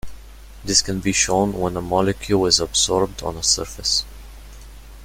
This can be shown when a molecule is adsorbed on a surface.